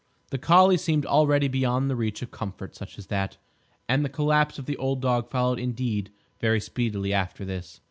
The collie seemed already beyond the reach of comfort such as that, and the collapse of the old dog followed indeed very speedily after this.